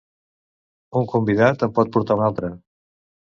Un convidat en pot portar un altre.